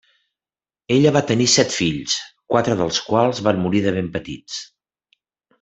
Ella va tenir set fills, quatre dels quals van morir de ben petits.